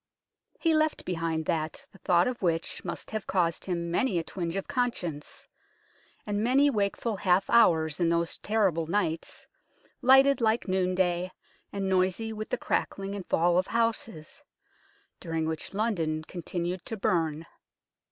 He left behind that the thought of which must have caused him many a twinge of conscience, and many wakeful half hours in those terrible nights, lighted like noon day and noisy with the crackling and fall of houses, during which London continued to burn.